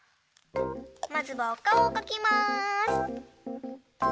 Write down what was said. まずはおかおをかきます。